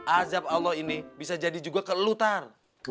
azab allah ini bisa jadi juga ke kamu tar